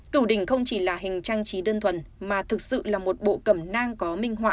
cửu đỉnh không chỉ là hình trang trí đơn thuần mà thực sự là một bộ cẩm nang có minh họa